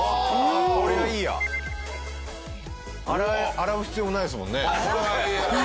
洗う必要もないですもんね。